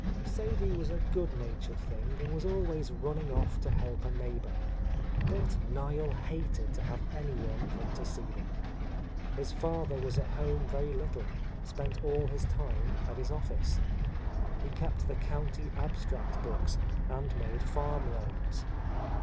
Sadie was a good natured thing and was always running off to help a neighbour, but Niel hated to have any one come to see them. His father was at home very little, spent all his time at his office. He kept the county abstract books and made farm loans.